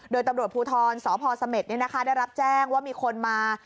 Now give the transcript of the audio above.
โดยตำรวจภูทรสพสเนี่ยนะคะได้รับแจ้งว่ามีคนมา